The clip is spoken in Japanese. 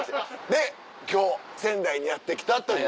で今日仙台にやって来たという。